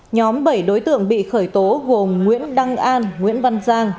nhóm bảy đối tượng bị khởi tố gồm nguyễn đăng an nguyễn văn giang